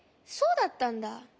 そうだったんだ。